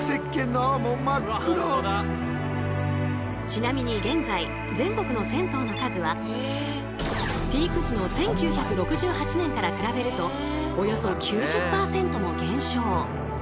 ちなみに現在全国の銭湯の数はピーク時の１９６８年から比べるとおよそ９０％も減少。